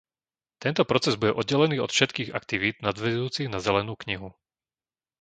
Tento proces bude oddelený od všeobecných aktivít nadväzujúcich na zelenú knihu.